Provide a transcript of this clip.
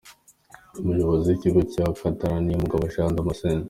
Umuyobozi w’ikigo cya Katarara Niyongabo Jean Damascene.